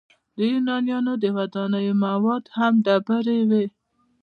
د یونانیانو د ودانیو مواد هم ډبرې وې.